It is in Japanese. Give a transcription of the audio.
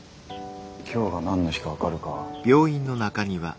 今日が何の日か分かるか？